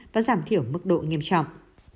và giảm thiểu mức độ nghiêm trọng